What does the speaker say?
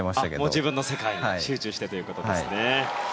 自分の世界に集中してということですね。